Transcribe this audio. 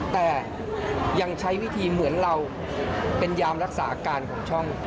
แต่ยังใช้วิธีเหมือนเราเป็นยามรักษาอาการของช่อง